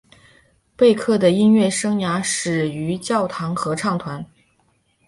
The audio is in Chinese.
贝克的音乐生涯始于教堂合唱团。